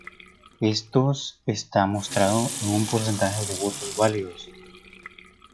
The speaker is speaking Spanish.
Estos está mostrado en un porcentaje de votos válidos.